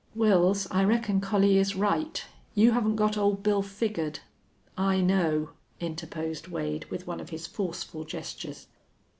"Wils, I reckon Collie is right. You haven't got Old Bill figured. I know," interposed Wade, with one of his forceful gestures.